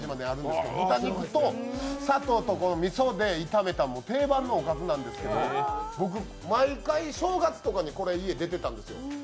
豚肉と砂糖とみそで炒めた定番のおかずなんですけど僕、毎回、正月とかにこれ家で出ていたんですよ。